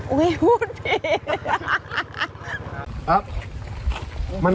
อุ๊ยพูดผิด